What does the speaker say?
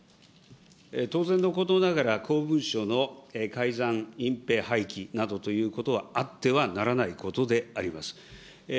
当然のことながら、公文書の改ざん、隠蔽、廃棄などということはあってはならないことであります。